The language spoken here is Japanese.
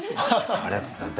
ありがとうございます。